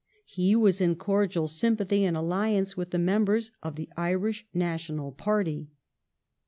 He was in cordial sympathy and alliance with the members of the Irish National party.